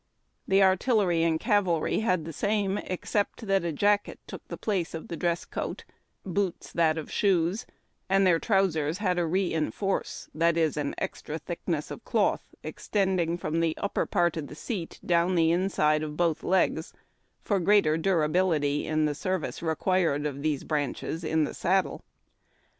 The artillery and cavalry had the same except that a jacket took the place of the dress coat, boots that of shoes, and their trousers had a re enforce^ that is, an extra thickness of cloth extending from the upper part of the seat down the inside of both legs, for greater durability in the service required of these branches in the saddle.